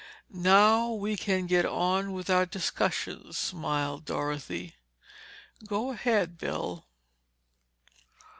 "Now we can get on with our discussion," smiled Dorothy. "Go ahead, Bill."